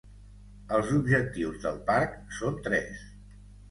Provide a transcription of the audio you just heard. Els objectius del parc són tres.